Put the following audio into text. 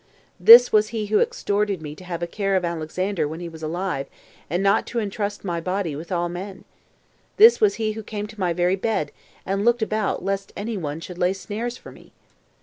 This was he who exhorted me to have a care of Alexander when he was alive, and not to intrust my body with all men! This was he who came to my very bed, and looked about lest any one should lay snares for me!